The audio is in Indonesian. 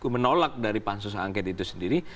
menolak dari pansus angket itu sendiri